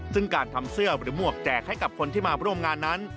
ซึ่งการทำเสื้อหรือหมวกแจกให้กับคนที่มาร่วมงานนั้น